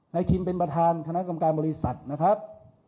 คิมเป็นประธานคณะกรรมการบริษัทนะครับ